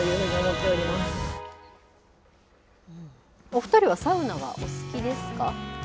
お２人はサウナはお好きですか？